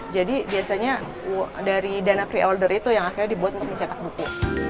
biasanya dari dana pre order itu yang akhirnya dibuat untuk mencetak buku